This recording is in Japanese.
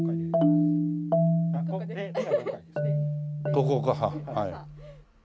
ここか。